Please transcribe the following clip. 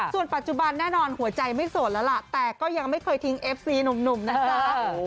ส่วนปัจจุบันแน่นอนหัวใจไม่โสดแล้วล่ะแต่ก็ยังไม่เคยทิ้งเอฟซีหนุ่มนะจ๊ะ